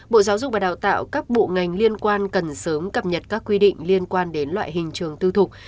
bộ giáo dục và đào tạo các bộ ngành liên quan cần sớm cập nhật các quy định liên quan đến loại hình trường tư thục